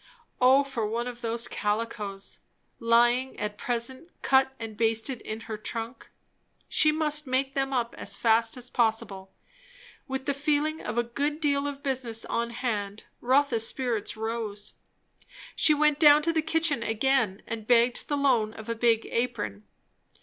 O for one of those calicos, lying at present cut and basted in her trunk. She must make them up as fast as possible. With the feeling of a good deal of business on hand, Rotha's spirits rose. She went down to the kitchen again, and begged the loan of a big apron.